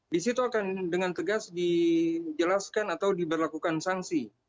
di situ akan dengan tegas dijelaskan atau diberlakukan sanksi